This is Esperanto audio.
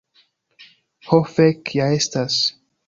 Ho, fek' ja estas